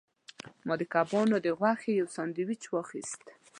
ما د کبانو د غوښې یو سانډویچ واخیست.